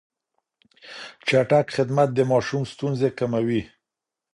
چټک خدمت د ماشوم ستونزې کموي.